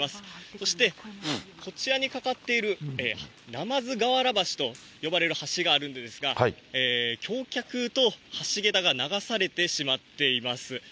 そしてこちらにかかっているなまずがわら橋と呼ばれる橋があるんですが、橋脚と橋桁が流されてしまっています。